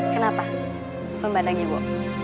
kenapa membandangi wo